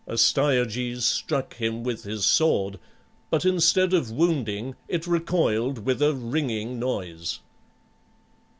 Astyages struck him with his sword, but instead of wounding, it recoiled with a ringing noise.